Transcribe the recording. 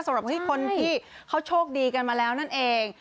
สำหรับคนที่เขาโชคดีกันมาแล้วนั่นเอง